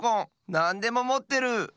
なんでももってる！